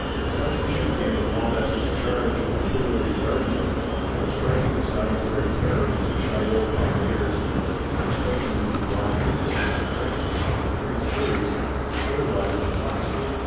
Such issue came of Lambesc's charge on the Tuileries Garden: no striking of salutary terror into Chaillot promenaders; a striking into broad wakefulness of Frenzy and the three Furies,—which otherwise were not asleep!